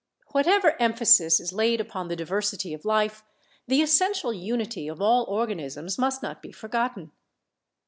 Whatever emphasis is laid upon the diversity of life, the essential unity of all organisms must not be forgotten.